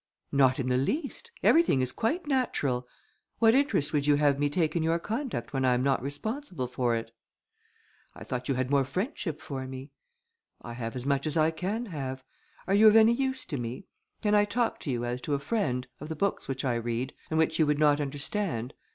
"Not in the least, everything is quite natural. What interest would you have me take in your conduct, when I am not responsible for it?" "I thought you had more friendship for me." "I have as much as I can have. Are you of any use to me? Can I talk to you as to a friend, of the books which I read, and which you would not understand?